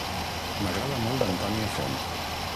M'agrada molt Antònia Font.